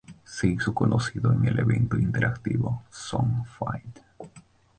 Se hizo conocido en el evento interactivo "Song Fight!